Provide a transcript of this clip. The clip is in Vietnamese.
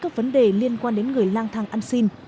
các vấn đề liên quan đến người lang thang ăn xin